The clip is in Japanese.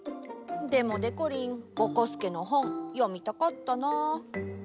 でもでこりんぼこすけの本読みたかったな。